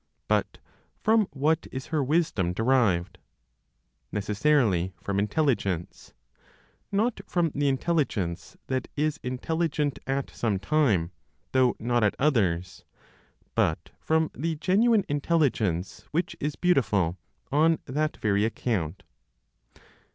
But from what is her wisdom derived? Necessarily from intelligence; not from the intelligence that is intelligent at some time, though not at others, but from the genuine Intelligence, which is beautiful on that very account.